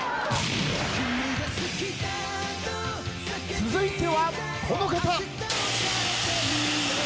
続いてはこの方。